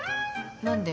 何で？